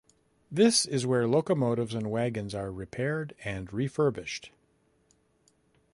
This is where locomotives and wagons are repaired and refurbished.